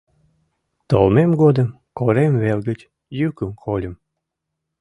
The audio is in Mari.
— Толмем годым корем вел гыч йӱкым кольым.